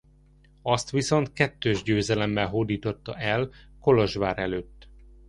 Azt viszont kettős győzelemmel hódította el Kolozsvár előtt.